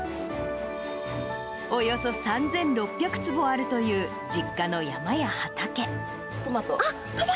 およそ３６００坪あるという実家の山や畑。